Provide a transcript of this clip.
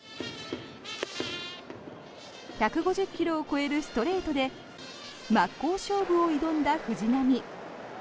１５０ｋｍを超えるストレートで真っ向勝負を挑んだ藤浪。